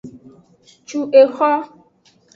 Cu exo.